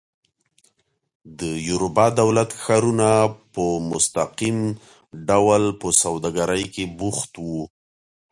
د یوروبا دولت ښارونه په مستقیم ډول په سوداګرۍ کې بوخت وو.